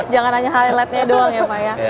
jangan hanya highlightnya doang ya pak ya